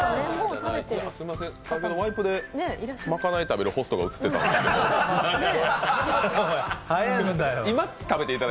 先ほど、ワイプで賄い食べるホストが映ってた。